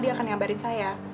dia akan nyambarin saya